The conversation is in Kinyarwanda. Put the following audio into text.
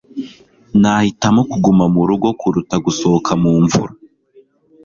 nahitamo kuguma murugo kuruta gusohoka mu mvura